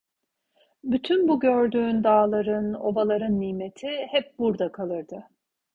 Bütün bu gördüğün dağların, ovaların nimeti hep burda kalırdı.